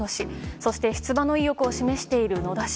そして出馬の意欲を示している野田氏。